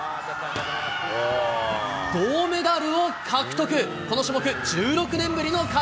銅メダルを獲得。